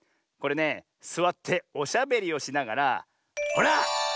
これねすわっておしゃべりをしながらほら